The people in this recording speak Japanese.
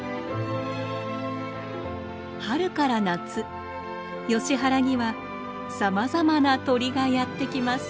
春から夏ヨシ原にはさまざまな鳥がやって来ます。